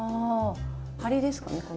ハリですかねこの。